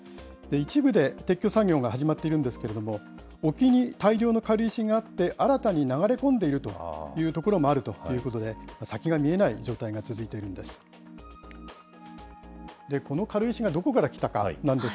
一部で、撤去作業が始まっているんですけれども、沖に大量の軽石があって、新たに流れ込んでいるという所もあるということで、先が見えない状態が続いているんです。